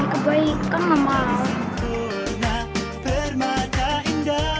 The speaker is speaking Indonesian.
kebaikan enggak mau